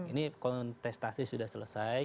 ini kontestasi sudah selesai